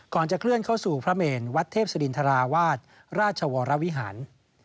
ก่อนจะเคลื่อนเข้าสู่พระเมนวัดเทพศรินทราวาสราชวรวิหาร